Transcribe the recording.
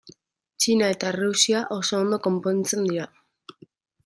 Txina eta Errusia oso ondo konpontzen dira.